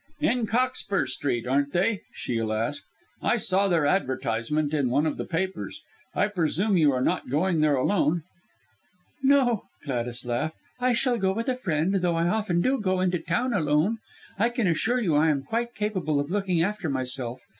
"In Cockspur Street, aren't they?" Shiel asked. "I saw their advertisement in one of the papers. I presume you are not going there alone?" "No!" Gladys laughed, "I shall go with a friend, though I often do go into Town alone. I can assure you I am quite capable of looking after myself.